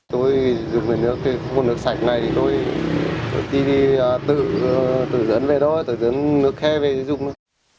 tôi dùng nước sạch này thì tôi đi tự dẫn về đó tự dẫn nước khe về thì dùng nữa